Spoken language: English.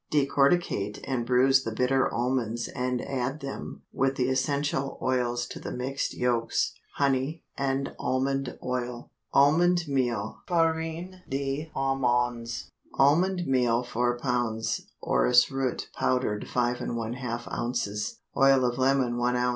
Decorticate and bruise the bitter almonds and add them with the essential oils to the mixed yolks, honey, and almond oil. ALMOND MEAL (FARINE D'AMANDES). Almond meal 4 lb. Orris root, powdered 5½ oz. Oil of lemon 1 oz.